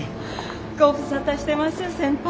ご無沙汰してます先輩。